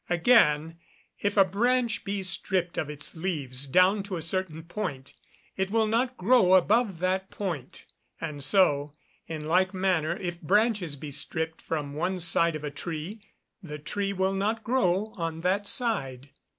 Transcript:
Again, if a branch be stripped of its leaves down to a certain point, it will not grow above that point; and so, in like manner, if branches be stripped from one side of a tree, the tree will not grow on that side.